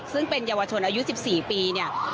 ซึ่งเป็นเยาวชนอายุ๑๔ปีเนี่ย